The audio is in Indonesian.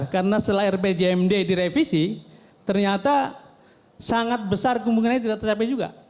karena setelah rpjmd direvisi ternyata sangat besar kumpulnya tidak tercapai juga